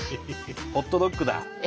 ホットドッグだ。